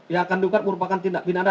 yang kandungkan merupakan tindak pidana